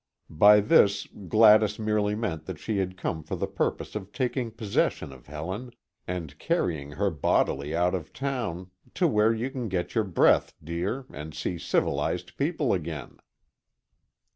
By this, Gladys merely meant that she had come for the purpose of taking possession of Helen, and carrying her bodily out of town "to where you can get your breath, dear, and see civilized people again."